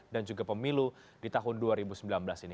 dan juga pemilu di tahun dua ribu sembilan belas ini